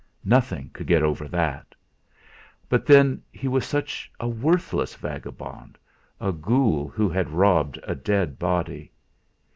Nothing could get over that! But then he was such a worthless vagabond, a ghoul who had robbed a dead body.